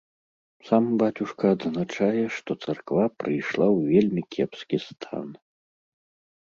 Сам бацюшка адзначае, што царква прыйшла ў вельмі кепскі стан.